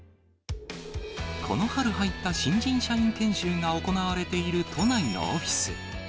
この春入った新人社員研修が行われている都内のオフィス。